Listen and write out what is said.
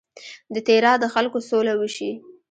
د تیرا د خلکو سوله وشي.